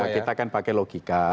kita kan pakai logika